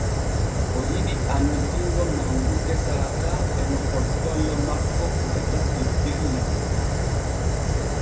O yiɗi annitingo manŋu gesa ka e no hottollo makko fotata teddella.